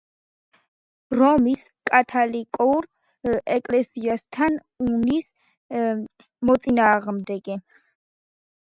რომის კათოლიკურ ეკლესიასთან უნიის მოწინააღმდეგე.